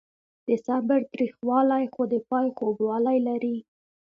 د صبر تریخوالی خو د پای خوږوالی لري.